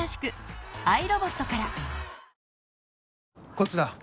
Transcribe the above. こっちだ。